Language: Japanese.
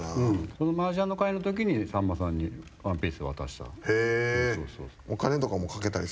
そのマージャンの会のときにさんまさんに『ワンピース』渡した。